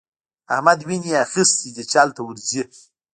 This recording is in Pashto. احمد ويني اخيستی دی چې هلته ورځي.